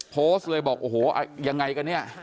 โพสต์เลยบอกโอ้โหยังไงกันเนี่ย